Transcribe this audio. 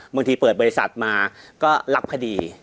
บางทีเปิดบริษัทมาก็รับพอดี